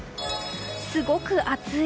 すごく暑い！